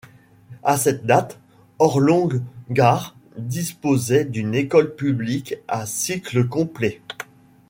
À cette date, Horlong Garre disposait d'une école publique à cycle complet.